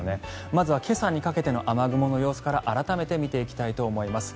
まずは今朝にかけての雨雲の様子から改めて見ていきたいと思います。